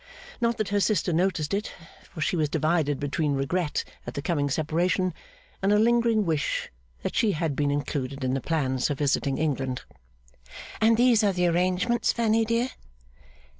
Not that her sister noticed it; for she was divided between regret at the coming separation, and a lingering wish that she had been included in the plans for visiting England. 'And these are the arrangements, Fanny dear?